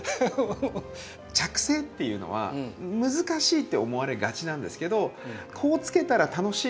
着生っていうのは難しいって思われがちなんですけど「こうつけたら楽しいだろうな」。